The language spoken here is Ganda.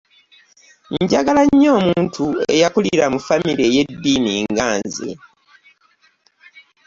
Njagala nnyo omuntu eyakulira mu famire ey'eddiini nga nze.